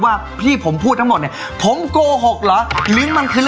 คุณก็อยู่กับผมช่วยเขาจับนั่นแหละ